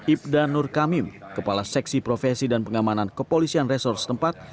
ibda nur kamim kepala seksi profesi dan pengamanan kepolisian resor setempat